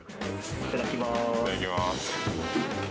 いただきます。